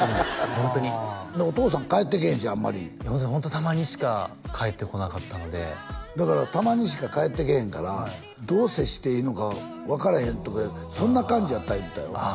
ホントにお父さん帰ってけえへんしあんまりホントたまにしか帰ってこなかったのでだからたまにしか帰ってけえへんからどう接していいのか分からへんとかそんな感じやった言うてたよああ